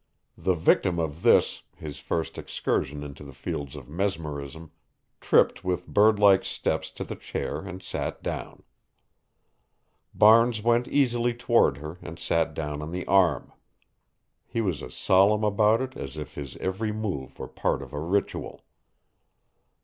The victim of this, his first excursion into the fields of mesmerism, tripped with bird like steps to the chair and sat down. Barnes went easily toward her and sat down on the arm. He was as solemn about it as if his every move were part of a ritual.